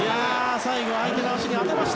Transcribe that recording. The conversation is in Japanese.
最後は相手の足に当てました。